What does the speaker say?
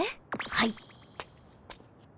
はい。